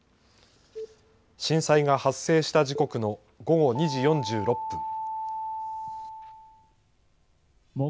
震災が発生した時刻の午後２時４６分。